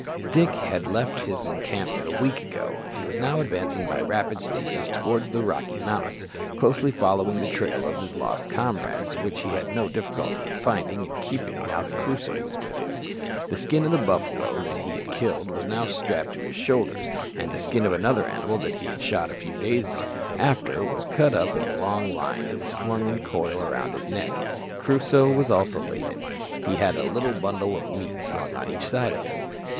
Dick had left his encampment a week ago, and was now advancing by rapid stages towards the Rocky Mountains, closely following the trail of his lost comrades, which he had no difficulty in finding and keeping now that Crusoe was with him. The skin of the buffalo that he had killed was now strapped to his shoulders, and the skin of another animal that he had shot a few days after was cut up into a long line and slung in a coil round his neck. Crusoe was also laden. He had a little bundle of meat slung on each side of him.